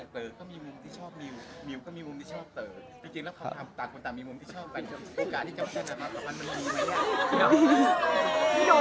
พี่แดมันนี่ก็คือมีมุม